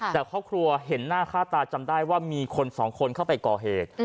แต่ครอบครัวเห็นหน้าค่าตาจำได้ว่ามีคนสองคนเข้าไปก่อเหตุ